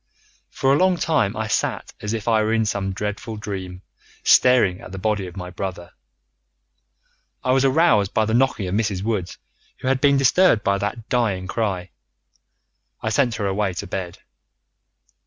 "For a long time I sat as if I were in some dreadful dream, staring at the body of my brother. I was aroused by the knocking of Mrs. Woods, who had been disturbed by that dying cry. I sent her away to bed.